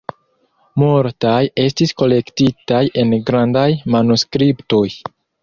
Multaj estis kolektitaj en grandaj manuskriptoj.